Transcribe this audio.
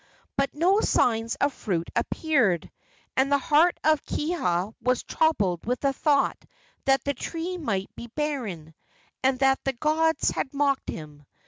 But no signs of fruit appeared, and the heart of Kiha was troubled with the thought that the tree might be barren, and that the gods had mocked him.